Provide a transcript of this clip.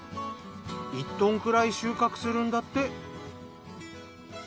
１トンくらい収穫するんだって。